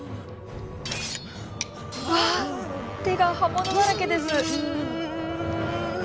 うわっ手が刃物だらけです！